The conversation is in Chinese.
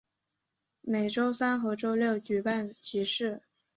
每周三和周六举办集市。